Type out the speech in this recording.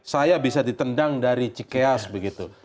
saya bisa ditendang dari cikeas begitu